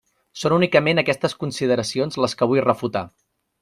Són únicament aquestes consideracions les que vull refutar.